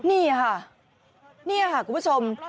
นี่ค่ะคุณผู้ชม